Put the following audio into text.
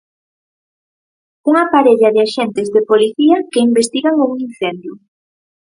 Unha parella de axentes de policía que investigan un incendio.